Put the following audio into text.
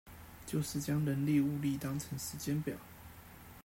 就是將人力物力當成時間表